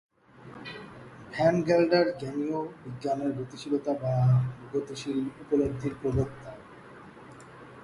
Van Gelder জ্ঞানীয় বিজ্ঞানের গতিশীলতা বা গতিশীল উপলব্ধির প্রবক্তা।